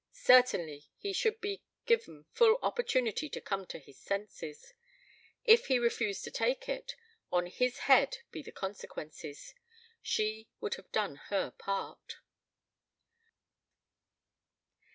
Certainly he should be given full opportunity to come to his senses. If he refused to take it, on his head be the consequences. She would have done her part.